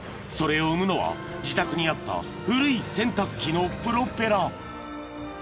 ［それを生むのは自宅にあった古い洗濯機のプロペラ］